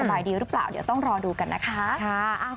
คุณผู้ชมไม่เจนเลยค่ะถ้าลูกคุณออกมาได้มั้ยคะ